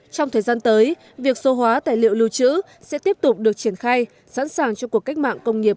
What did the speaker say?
trong thời gian tới việc số hóa tài liệu lưu trữ sẽ tiếp tục được triển khai sẵn sàng cho cuộc cách mạng công nghiệp bốn